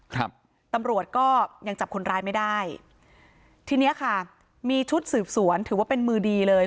ครับตำรวจก็ยังจับคนร้ายไม่ได้ทีเนี้ยค่ะมีชุดสืบสวนถือว่าเป็นมือดีเลย